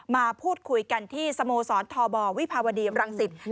มาพูดคุยกันที่สโมสรทบวิภาวดีรังสิต